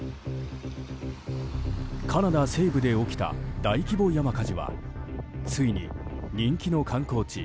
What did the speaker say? カナダ西部で起きた大規模山火事はついに、人気の観光地